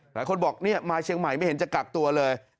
หลายคนบอกมาเชียงใหม่ไม่เห็นจะกักตัวเลย